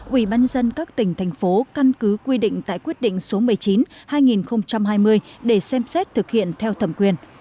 ủy ban nhân dân các tỉnh thành phố căn cứ quy định tại quyết định số một mươi chín hai nghìn hai mươi để xem xét thực hiện theo thẩm quyền